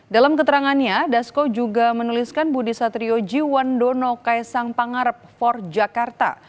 dalam keterangannya dasko juga menuliskan budi satrioji wandono kaisang pangarep for jakarta